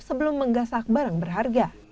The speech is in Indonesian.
sebelum menggasak barang berharga